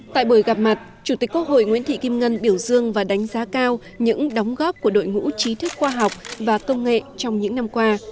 tại buổi gặp mặt chủ tịch quốc hội nguyễn thị kim ngân biểu dương và đánh giá cao những đóng góp của đội ngũ trí thức khoa học và công nghệ trong những năm qua